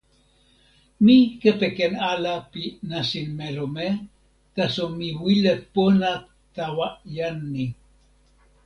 mi kepeken ala pi nasin melome, taso mi wile pona tawa jan ni.